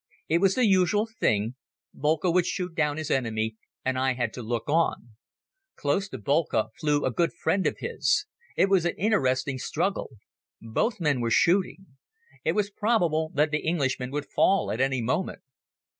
It was the usual thing. Boelcke would shoot down his opponent and I had to look on. Close to Boelcke flew a good friend of his. It was an interesting struggle. Both men were shooting. It was probable that the Englishman would fall at any moment.